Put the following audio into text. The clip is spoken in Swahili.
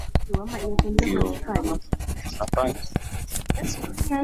kiongozi wa kabila la Oguz Kwa hivyo